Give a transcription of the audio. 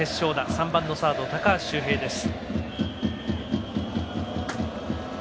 ３番のサード高橋周平です。